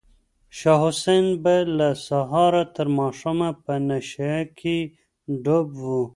شاه حسین به له سهاره تر ماښامه په نشه کې ډوب و.